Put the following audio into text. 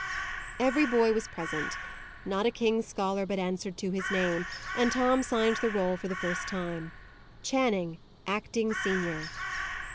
Every boy was present. Not a king's scholar but answered to his name; and Tom signed the roll for the first time. "Channing, acting senior."